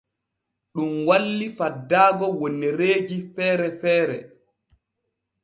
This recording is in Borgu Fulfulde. Ɗun walli faddaago wonnereeji feere feere.